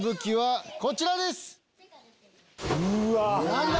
何だ？